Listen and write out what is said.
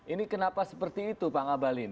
ini kenapa seperti itu pak ngabalin